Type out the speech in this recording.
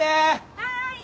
はい！